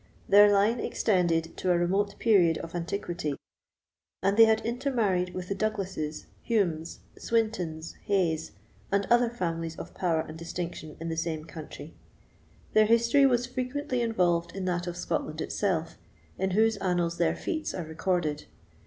Their line extended to a remote period of antiquity, and they had intermarried with the Douglasses, Humes, Swintons, Hays, and other families of power and distinction in the same country. Their history was frequently involved in that of Scotland itself, in whose annals their feats are recorded.